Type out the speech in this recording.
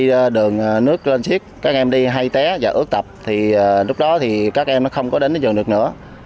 trong lúc đường nước lên xuyết các em đi hay té và ướt tập thì lúc đó thì các em nó không có đến trường được nữa